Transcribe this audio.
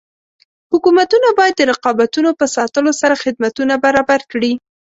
حکومتونه باید د رقابتونو په ساتلو سره خدمتونه برابر کړي.